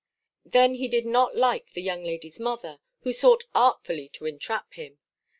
Then he did not like the young lady's mother, who sought artfully to entrap him.